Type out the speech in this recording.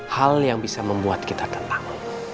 hal yang bisa membuat kita tenang